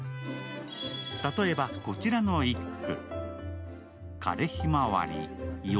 例えばこちらの一句。